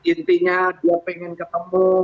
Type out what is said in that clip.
intinya dia pengen ketemu